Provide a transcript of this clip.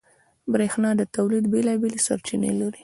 برېښنا د تولید بېلابېل سرچینې لري.